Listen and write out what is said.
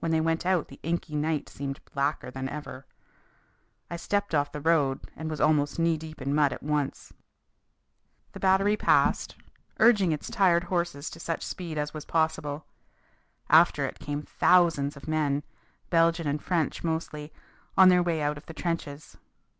When they went out the inky night seemed blacker than ever. I stepped off the road and was almost knee deep in mud at once. The battery passed, urging its tired horses to such speed as was possible. After it came thousands of men, Belgian and French mostly, on their way out of the trenches.